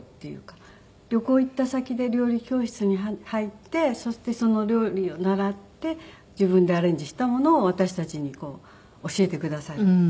旅行行った先で料理教室に入ってそしてその料理を習って自分でアレンジしたものを私たちにこう教えてくださるっていう。